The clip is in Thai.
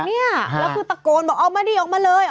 แล้วคือตะโกนบอกออกมาดิออกมาเลย